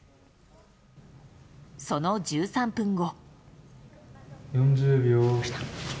その１３分後。